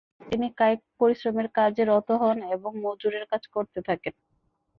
তিনি কায়িক পরিশ্রমের কাজে রত হন এবং মজুরের কাজ করতে থাকেন।